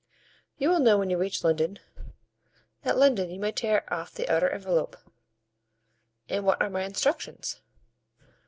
"You will know when you reach London; at London you may tear off the outer envelope." "And what are my instructions?"